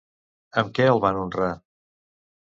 Amb què el van honrar?